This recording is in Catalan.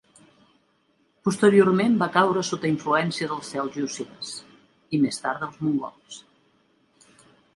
Posteriorment va caure sota influència dels seljúcides, i més tard dels mongols.